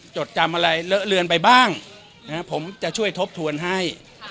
จดจำอะไรเลอะเลือนไปบ้างผมจะช่วยทบทวนให้